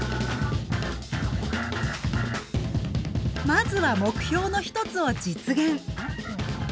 まずは目標の一つを実現。